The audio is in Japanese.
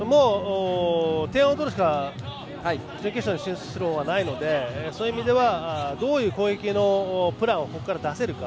点を取るしか準決勝に進出する方法はないのでそういう意味ではどういう攻撃のプランをここから出せるか。